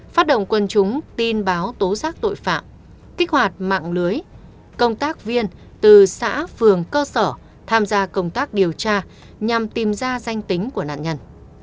phát động quân chúng tin báo tố giác tội phạm kích hoạt mạng lưới công tác viên từ xã phường cơ sở tham gia công tác điều tra nhằm tìm ra danh tính của nạn nhân